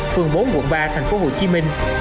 phường bốn quận ba tp hcm